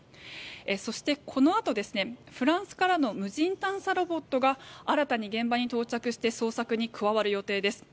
そして、このあとフランスからの無人探査ロボットが新たに現場に到着して捜索に加わる予定です。